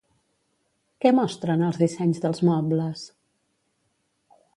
Què mostren els dissenys dels mobles?